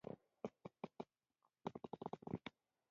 هغه بیا د حملې په فکر کې شو.